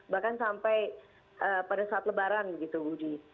bahkan sampai pada saat lebaran begitu budi